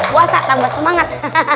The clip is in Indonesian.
puasa tambah semangat